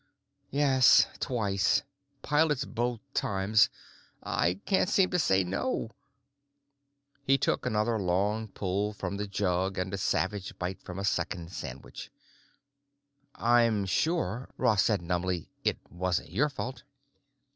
Yes. Twice. Pilots both times. I can't seem to say no——" He took another long pull from the jug and a savage bite from a second sandwich. "I'm sure," Ross said numbly, "it wasn't your fault."